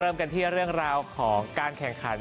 เริ่มกันที่เรื่องราวของการแข่งขัน